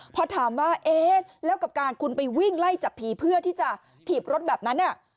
พอถามว่าเอ๊ะแล้วกับการคุณไปวิ่งไล่จับผีเพื่อที่จะถีบรถแบบนั้น